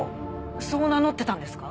そう名乗ってたんですか？